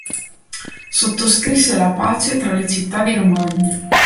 Sottoscrisse la pace tra le città di Romagna.